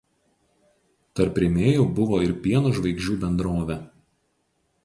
Tarp rėmėjų buvo ir „Pieno žvaigždžių“ bendrovė.